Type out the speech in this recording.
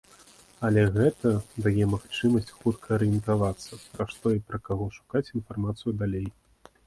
Але гэта дае магчымасць хутка арыентавацца, пра што і пра каго шукаць інфармацыю далей.